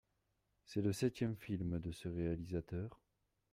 C’est le septième film de ce réalisateur.